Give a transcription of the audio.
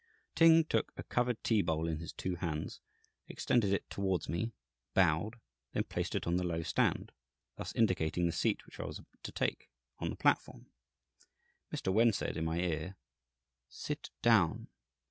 Ting took a covered tea bowl in his two hands, extended it towards me, bowed, then placed it on the low stand thus indicating the seat which I was to take, on the platform. Mr. Wen said, in my ear, "Sit down."